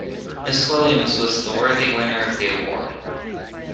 Miss Williams was the worthy winner of the award.